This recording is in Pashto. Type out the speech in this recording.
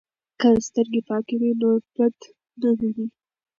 که سترګې پاکې وي نو بد نه ویني.